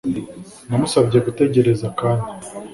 Namusabye gutegereza akanya